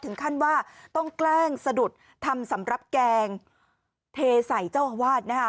ถึงขั้นว่าต้องแกล้งสะดุดทำสำหรับแกงเทใส่เจ้าอาวาสนะคะ